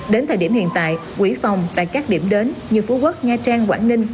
đến thời điểm hiện tại quỹ phòng tại các điểm đến như phú quốc nha trang quảng ninh